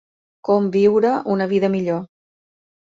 Com viure una vida millor.